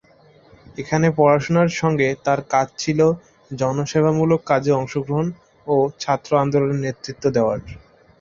এখানে পড়াশুনার সঙ্গে তার কাজ ছিল জনসেবা মূলক কাজে অংশ গ্রহণ ও ছাত্র আন্দোলনে নেতৃত্ব দেওয়ায়।